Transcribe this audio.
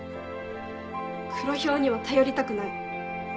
黒ヒョウには頼りたくない。